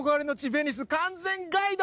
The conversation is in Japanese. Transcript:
ベニス完全ガイド」！